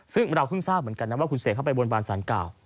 ซึ่งเราเพิ่งทราบเหมือนกันนะว่าคุณเสกเข้าไปบนบานสารเก่า